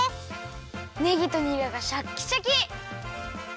ねぎとにらがシャッキシャキ。